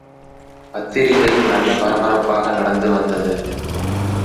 பத்திரிகை நல்ல பரப்பரப்பாக நடந்து வந்தது.